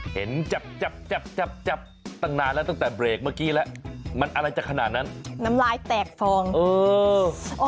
เห็นจับจับจับจับตั้งนานแล้วตั้งแต่เบรกเมื่อกี้แล้วมันอะไรจะขนาดนั้นน้ำลายแตกฟองเออ